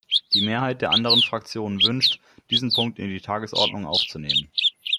Der Mehrheit der anderen Fraktionen wünscht, diesen Punkt in die Tagesordnung aufzunehmen.